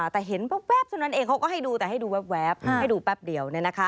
แต่เห็นแว๊บเท่านั้นเองเขาก็ให้ดูแต่ให้ดูแว๊บให้ดูแป๊บเดียว